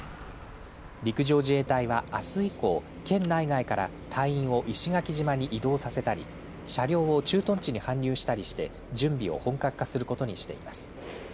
陸上自衛隊は、あす以降県内外から隊員を石垣島に移動させたり車両を駐屯地に搬入したりして準備を本格化することにしています。